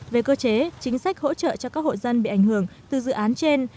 về cơ chế chính sách hỗ trợ cho các hộ dân bị ảnh hưởng từ dự án trên